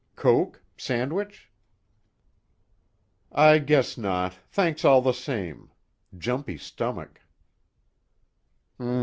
Coke? Sandwich?" "I guess not, thanks all the same. Jumpy stomach."